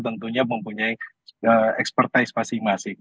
tentunya mempunyai ekspertis masing masing